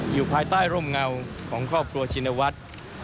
อยู่ภายใต้ร่มเงาของครอบครัวชินวัฒน์